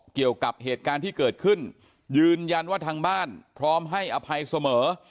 เกี่ยวกับเหตุการณ์ที่เกิดขึ้นยืนยันว่าทางบ้านพร้อมให้อภัยเสมอ